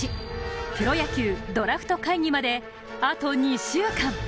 プロ野球ドラフト会議まであと２週間。